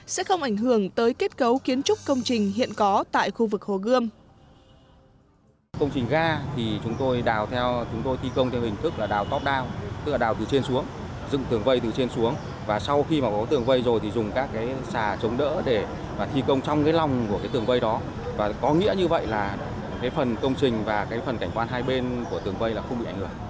sẽ không ảnh hưởng tới kết cấu kiến trúc công trình hiện có tại khu vực hồ gươm